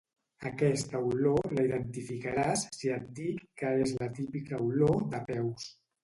Aquesta olor la identificaràs si et dic que és la típica olor de peus